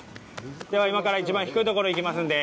では、今から一番低いところに行きますんで。